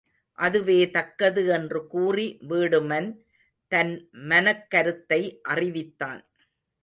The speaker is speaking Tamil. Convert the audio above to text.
அதுவே தக்கது என்று கூறி வீடுமன், தன் மனக் கருத்தை அறிவித்தான்.